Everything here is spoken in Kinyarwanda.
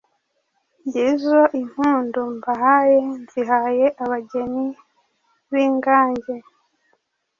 Ngizo impundu mbahaye nzihaye Abageni b’i Ngange*